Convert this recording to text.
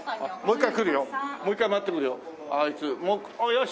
よし！